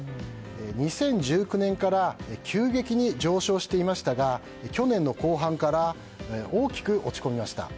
２０１９年から急激に上昇していましたが去年の後半から大きく落ち込みました。